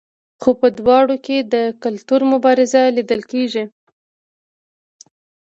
خو په دواړو کې د کلتور مبارزه لیدل کیږي.